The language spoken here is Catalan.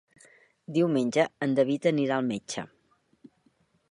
Diumenge en David anirà al metge.